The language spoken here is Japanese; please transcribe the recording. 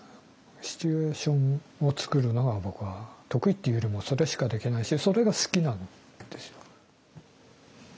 シチュエーションを作るのが僕は得意っていうよりもそれしかできないしそれが好きなんですよ。